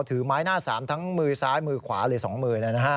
ถือไม้หน้าสามทั้งมือซ้ายมือขวาหรือ๒มือ